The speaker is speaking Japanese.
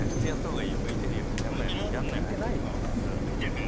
見ててよ。